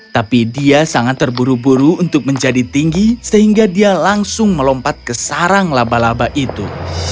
tapi dia sangat terburu buru untuk menjadi tinggi sehingga dia langsung melompat ke sarang laba laba itu